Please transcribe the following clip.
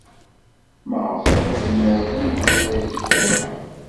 Maɣef ay idemmer Yidir ad yeg aya?